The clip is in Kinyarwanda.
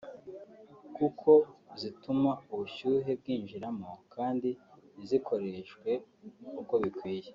kuko zituma ubushyuhe bwinjiramo kandi ntizikoreshwe uko bikwiye